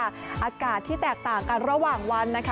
อากาศที่แตกต่างกันระหว่างวันนะคะ